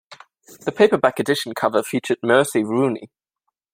The paperback edition's cover featured Mercy Rooney.